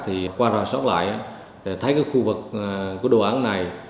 thì qua ra sót lại thấy cái khu vực của đồ án này